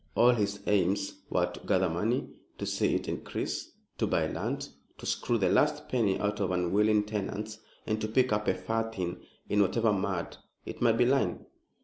All his aims were to gather money, to see it increase, to buy land, to screw the last penny out of unwilling tenants, and to pick up a farthing, in whatever mud it might be lying.